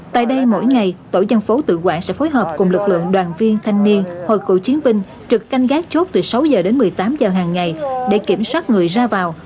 tại đây mỗi ngày tổ dân phố tự quản sẽ phối hợp cùng lực lượng đoàn viên thanh niên hội cựu chiến binh trực canh gác chốt từ sáu h đến một mươi tám h hàng ngày để kiểm soát người ra vào